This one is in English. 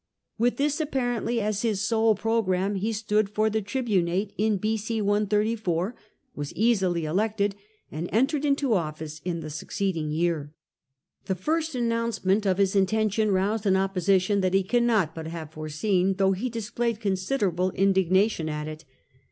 With this, apparently, as his sole programme, he stood for the tribunate in B.c. 134, was easily elected, and entered into office in the succeeding year. The first announcement of his intention roused an opposition that he cannot but have foreseen, though he displayed con siderable indignation at it.